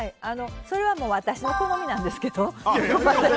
それは私の好みなんですけど。